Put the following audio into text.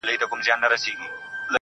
• سترگي يې توري ،پر مخ يې ښكل كړه.